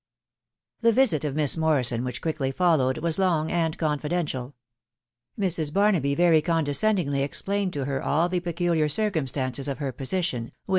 The visit of Miss Morrison, which quickly followed, was long an,d confidential. Mrs. Barnaby very condescendingly explained to her all the peculiar circumstances of l\er ^siuot^ ^«hlcK it 8 304 THE WIDOW BABNABT.